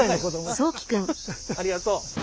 ありがとう。